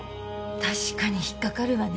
確かに引っかかるわね。